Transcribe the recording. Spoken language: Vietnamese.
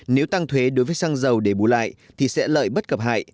nếu tăng thuế đối với xăng dầu để bù lại thì sẽ lợi bất cập hại